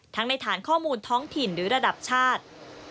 ในฐานข้อมูลท้องถิ่นหรือระดับชาติ